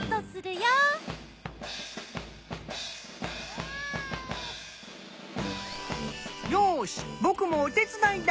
よし僕もお手伝いだ！